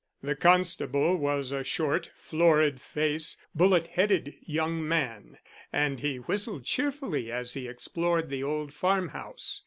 The constable was a short, florid face, bullet headed young man, and he whistled cheerfully as he explored the old farm house.